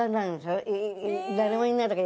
誰もいない時。